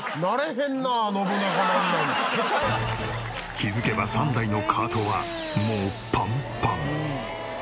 気づけば３台のカートはもうパンパン。